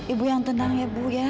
ibu yang tenang ya bu ya